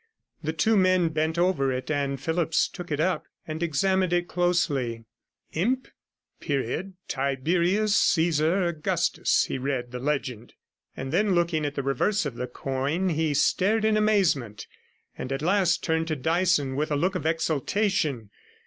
The two men bent over it, and Phillipps took it up and examined it closely. 'Imp. Tiberius Caesar Augustus,' he read the legend, and then looking at the reverse of the coin, he stared in amazement, and at last turned to Dyson with a look of exultation.